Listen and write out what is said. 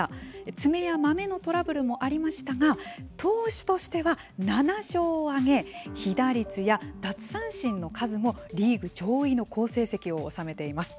爪や、まめのトラブルもありましたが投手としては、７勝を挙げ被打率や奪三振の数もリーグ上位の好成績を収めています。